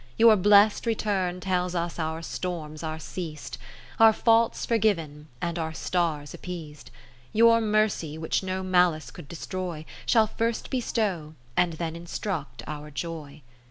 Your blest Return tells us our storms are ceas'd, Our faults forgiven, and our stars appeas'd, ?,o Your mercy, which no malice could destroy, Shall first bestow, and then in struct, our joy.